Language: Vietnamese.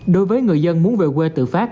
đối với người dân muốn về quê tự phát